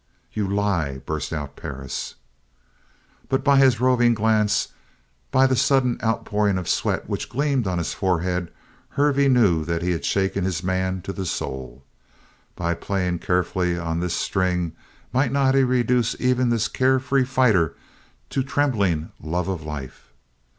"You lie!" burst out Perris. But by his roving glance, by the sudden outpouring of sweat which gleamed on his forehead, Hervey knew that he had shaken his man to the soul. By playing carefully on this string might he not reduce even this care free fighter to trembling love of life?